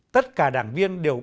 tất cả đảng viên đều